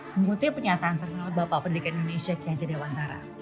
menurutnya penyataan terkini bapak pendidikan indonesia kianja dewa dan bapak pak bapak